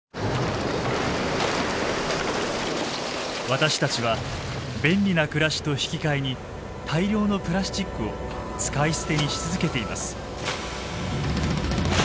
私たちは便利な暮らしと引き換えに大量のプラスチックを使い捨てにし続けています。